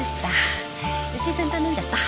良恵さんに頼んじゃった。